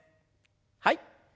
はい。